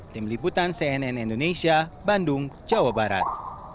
tim liputan cnn indonesia bandung jawa barat